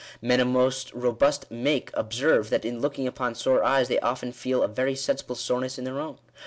" Men of most robust make observe, that in looking upon sore eyes they often feel a very sensible soreness in their own."